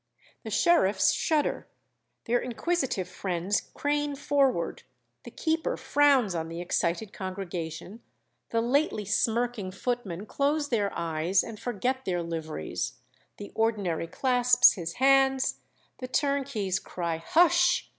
The sheriffs shudder, their inquisitive friends crane forward, the keeper frowns on the excited congregation, the lately smirking footmen close their eyes and forget their liveries, the ordinary clasps his hands, the turnkeys cry 'Hush!'